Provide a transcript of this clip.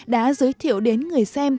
đã giới thiệu đến người xem